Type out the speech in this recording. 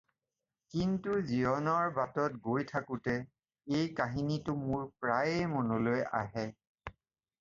কিন্তু জীৱনৰ বাটত গৈ থাকোঁতে এই কাহিনীটো মোৰ প্ৰায়েই মনলৈ আহে।